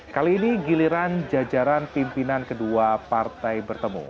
kali ini giliran jajaran pimpinan kedua partai bertemu